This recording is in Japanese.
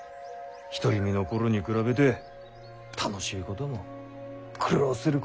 独り身の頃に比べて楽しいことも苦労することも。